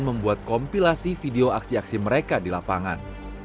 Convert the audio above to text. membuat kompilasi video aksi aksi mereka di lapangan